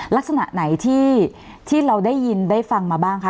ลักษณะไหนที่เราได้ยินได้ฟังมาบ้างคะ